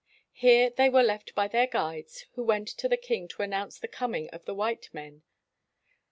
Here they were left by their guides who went to the king to announce the coming of the white men.